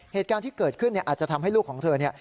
เหตุการณ์ที่เกิดขึ้นเนี่ยอาจจะทำให้ลูกของเธอเนี่ย